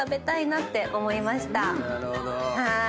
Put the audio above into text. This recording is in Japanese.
なるほど。